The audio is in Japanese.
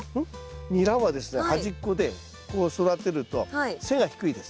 ニラはですね端っこで育てると背が低いです。